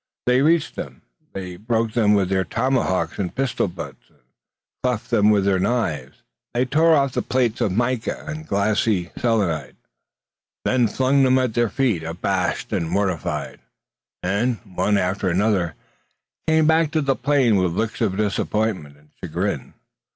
They reached them. They broke them with their tomahawks and pistol butts, and cleft them with their knives. They tore off the plates of mica and glassy selenite. They flung them at their feet, abashed and mortified; and, one after another, came back to the plain with looks of disappointment and chagrin.